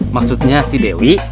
maksudnya si dewi